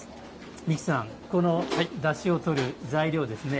三木さん、だしをとる材料ですね。